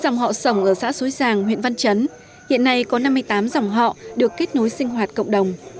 dòng họ sổng ở xã xối giàng huyện văn chấn hiện nay có năm mươi tám dòng họ được kết nối sinh hoạt cộng đồng